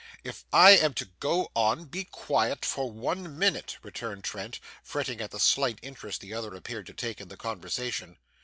'If I am to go on, be quiet for one minute,' returned Trent, fretting at the slight interest the other appeared to take in the conversation.